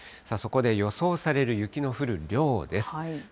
そこで予想される雪の降る量です。